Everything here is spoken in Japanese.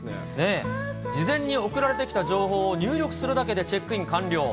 事前に送られてきた情報を入力するだけでチェックイン完了。